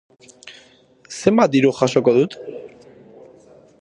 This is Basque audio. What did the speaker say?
Zenbat diru jasoko dut?